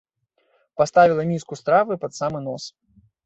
Паставіла міску стравы пад самы нос.